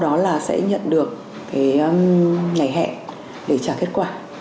đó là sẽ nhận được cái ngày hẹn để trả kết quả